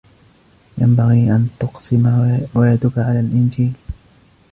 ينبغي أن تقسم ويدك على الإنجيل.